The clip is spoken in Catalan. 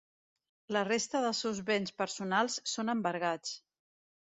La resta dels seus béns personals són embargats.